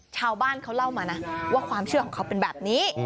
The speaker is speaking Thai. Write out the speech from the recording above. ชาวบ้านเขาเล่ามานะว่าความเชื่อของเขาเป็นแบบนี้